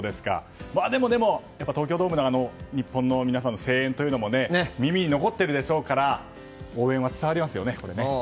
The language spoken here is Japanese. でも、東京ドームの日本の皆さんの声援というのも耳に残っているでしょうから応援は伝わりますよね。